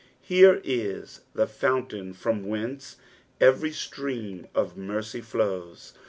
Here is the fountain from whence every stream of mercy flows.